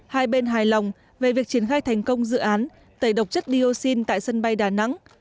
hai bên hài lòng về việc triển khai thành công dự án tẩy độc chất dioxin tại sân bay đà nẵng